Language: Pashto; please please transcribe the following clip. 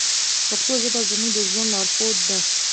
پښتو ژبه زموږ د ژوند لارښود ده.